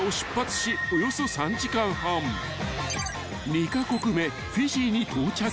［２カ国目フィジーに到着］